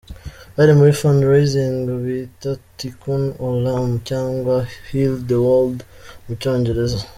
Hari mur fundaraising bita’Tikkun olam’ cyangwa ‘Heal the world ‘ mu cyongereza.